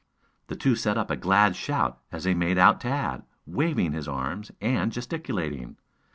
The two set up a glad shout as they made out Tad, waving his arms and gesticulating.